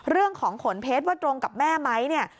เรื่องของขนเพชรว่าตรงกับแม่ไหมเนี่ย